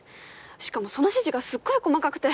しかもその指示がすっごい細かくて。